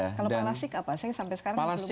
kalau palasik apa saya sampai sekarang belum